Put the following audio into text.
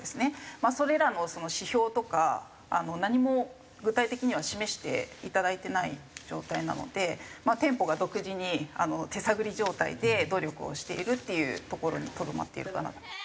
まあそれらの指標とか何も具体的には示していただいてない状態なので店舗が独自に手探り状態で努力をしているっていうところにとどまっているかなと。